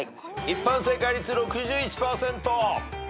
一般正解率６１％。